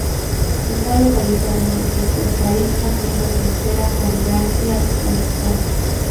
Está localizada en el sur del país, haciendo frontera con Irán y Afganistán.